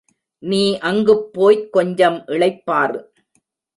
நீ அங்குப் போய்க் கொஞ்சம் இளைப்பாறு.